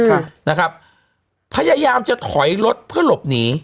ค่ะนะครับพยายามจะถอยรถเพื่อหลบหนี